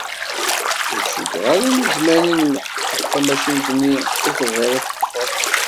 Ur cukkeɣ ara nezmer ad nelḥeq tamacint-nni i tebɣiḍ ad teṭṭfeḍ.